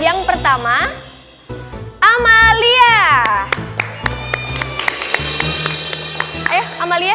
yang pertama amalia